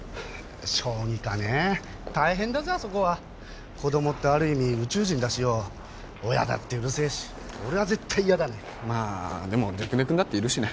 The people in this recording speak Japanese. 小児科ね大変だぜあそこは子どもってある意味宇宙人だしよ親だってうるせえし俺は絶対イヤだねでも出久根君だっているしね